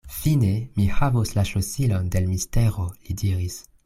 Fine mi havos la ŝlosilon de l' mistero, li diris.